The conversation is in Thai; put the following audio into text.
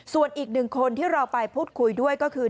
ส่วนอีกหนึ่งคนที่เราไปพูดคุยด้วยก็คือ